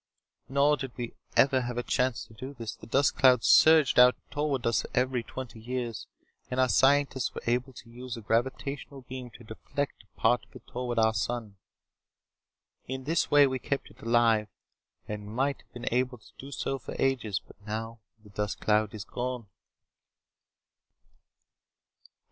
"Nor did we ever have a chance to do this. The dust cloud surged out toward us every twenty years, and our scientists were able to use a gravitational beam to deflect a part of it toward our sun. In this way we kept it alive and might have been able to do so for ages. But now the dust cloud is gone."